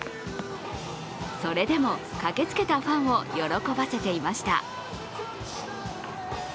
それでも、駆けつけたファンを喜ばせていました。